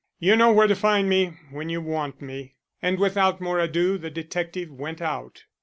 You know where to find me when you want me." And without more ado the detective went out.